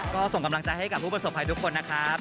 ก็ส่งกำลังใจให้กับผู้ประสบภัยทุกคนนะครับ